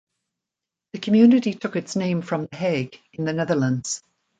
The community took its name from The Hague, in the Netherlands.